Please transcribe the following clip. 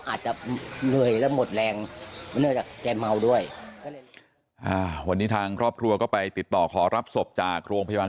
มันอาจจะเหนื่อยแล้วหมดแหลมใจเมาด้วยว่านี้ทางครอบครัวก็ไปติดต่อคอรับศพจากโรงพยาบาล